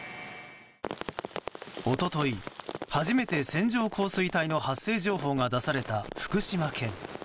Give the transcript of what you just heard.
一昨日、初めて線状降水帯が出された福島県。